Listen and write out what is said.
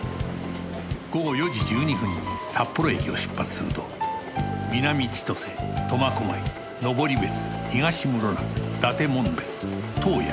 午後４時１２分に札幌駅を出発すると南千歳苫小牧登別東室蘭伊達紋別洞爺